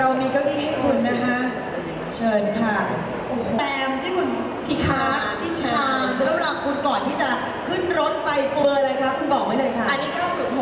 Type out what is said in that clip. เอาเลยสำหรับการย่วงงานของคุณกับรอเบอร์อออกฟอร์เวรเวรเซ